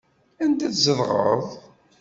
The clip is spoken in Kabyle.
Anda tzedɣeḍ?